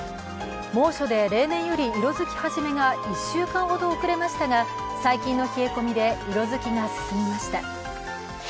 猛暑で例年より色づき始めが１週間ほど遅れましたが最近の冷え込みで色づきが進みました。